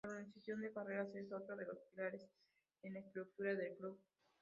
La organización de carreras es otro de los pilares en la estructura del club.